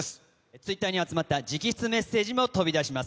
ツイッターに集まった直筆のメッセージも飛び出します。